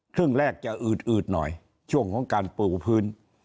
ครึ่งแรกจะอืดอืดหน่อยช่วงของการปูพื้น